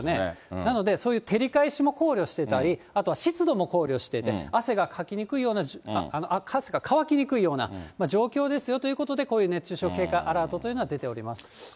なので、そういう照り返しも考慮していただいたり、あとは湿度も考慮してて、汗がかきにくいような、乾きにくいような状況ですよということで、こういう熱中症警戒アラートというのは出ております。